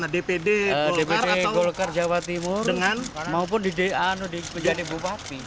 dpd golkar jawa timur maupun di da jadi bupati